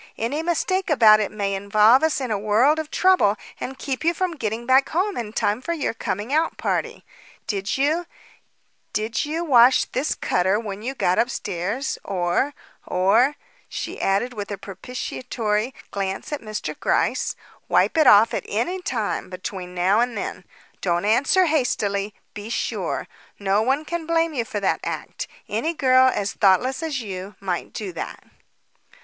Any mistake about it may involve us in a world of trouble and keep you from getting back home in time for your coming out party. Did you did you wash this cutter when you got upstairs, or or " she added, with a propitiatory glance at Mr. Gryce "wipe it off at any time between then and now? Don't answer hastily. Be sure. No one can blame you for that act. Any girl, as thoughtless as you, might do that."